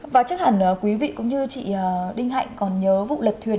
và chắc hẳn quý vị cũng như chị đinh hạnh còn nhớ vụ lật thuyền